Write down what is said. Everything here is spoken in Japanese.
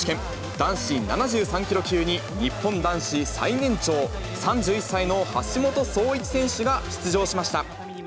男子７３キロ級に、日本男子最年長、３１歳の橋本壮市選手が出場しました。